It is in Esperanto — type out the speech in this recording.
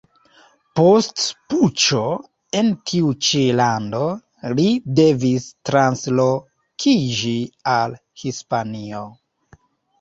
Post puĉo en tiu ĉi lando, li devis translokiĝi al Hispanio.